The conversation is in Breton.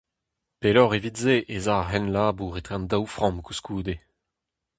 Pelloc'h evit se ez a ar c'henlabour etre an daou framm koulskoude.